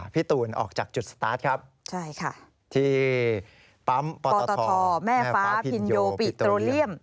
พี่ตูนออกจากจุดสตาร์ทครับใช่ค่ะที่ปั๊มปตทแม่ฟ้าพินโยปิโตรเลียม